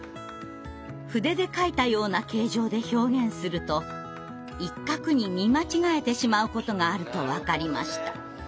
筆で書いたような形状で表現すると一画に見間違えてしまうことがあると分かりました。